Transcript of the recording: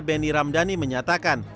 benny ramdhani menyatakan